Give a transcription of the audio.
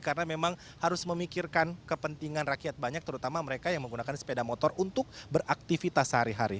karena memang harus memikirkan kepentingan rakyat banyak terutama mereka yang menggunakan sepeda motor untuk beraktivitas sehari hari